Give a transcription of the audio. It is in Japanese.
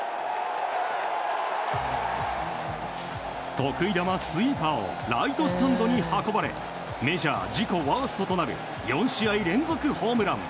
得意球、スイーパーをライトスタンドに運ばれメジャー自己ワーストとなる４試合連続ホームラン。